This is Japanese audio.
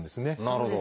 なるほど。